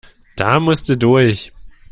Da musste durch.